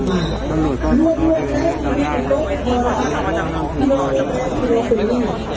ลงไปเต็มออกของท่านลวยนะครับ